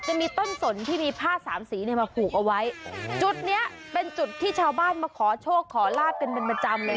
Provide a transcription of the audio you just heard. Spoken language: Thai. จะมีต้นสนที่มีผ้าสามสีเนี่ยมาผูกเอาไว้จุดเนี้ยเป็นจุดที่ชาวบ้านมาขอโชคขอลาบกันเป็นประจำเลย